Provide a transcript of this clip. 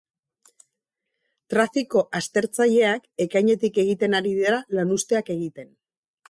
Trafiko aztertzaileak ekainetik egiten ari dira lanuzteak egiten.